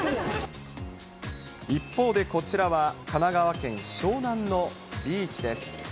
一方でこちらは、神奈川県湘南のビーチです。